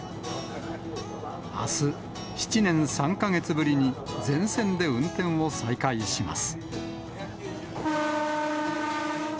あす、７年３か月ぶりに全線で運転を再開します。